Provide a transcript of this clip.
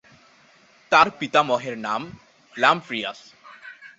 তার পিতামহের নাম লাম্প্রিয়াস।